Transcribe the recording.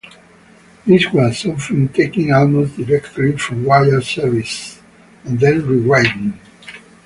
This was often taken almost directly from wire services and then rewritten.